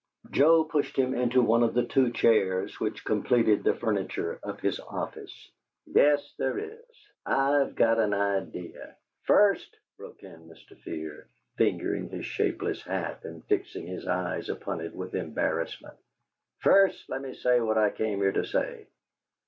Joe pushed him into one of the two chairs which completed the furniture of his office. "Yes, there is. I've got an idea " "First," broke in Mr. Fear, fingering his shapeless hat and fixing his eyes upon it with embarrassment, "first lemme say what I come here to say.